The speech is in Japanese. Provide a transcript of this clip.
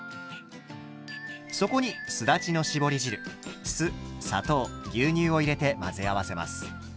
そこにすだちの搾り汁酢砂糖牛乳を入れて混ぜ合わせます。